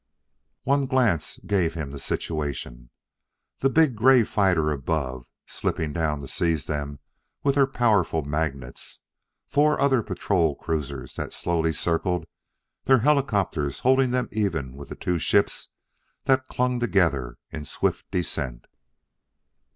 One glance gave him the situation: the big gray fighter above, slipping down to seize them with her powerful magnets; four other patrol cruisers that slowly circled, their helicopters holding them even with the two ships that clung together in swift descent.